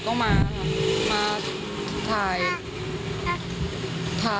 ยทำงาน๘นาที